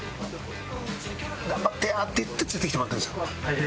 「頑張ってや」って言って連れて来てもらったんですよ。